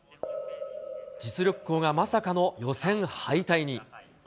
実力校がまさかの予選敗退に。